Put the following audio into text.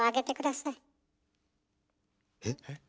えっ？